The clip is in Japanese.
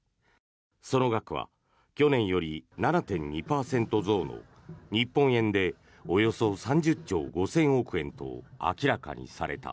その額は去年より７．２％増の日本円でおよそ３０兆５０００億円と明らかにされた。